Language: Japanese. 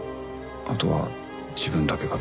あとは自分だけかと。